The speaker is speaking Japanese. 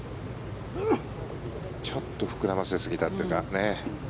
ちょっと膨らませすぎたというか。